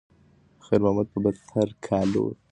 خیر محمد به تر هغو کار کوي تر څو پیسې پیدا کړي.